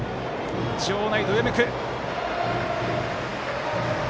場内どよめく。